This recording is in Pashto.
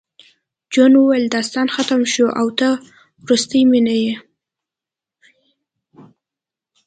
جون وویل داستان ختم شو او ته وروستۍ مینه وې